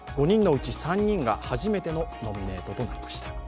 ５人のうち３人が初めてのノミネートとなりました。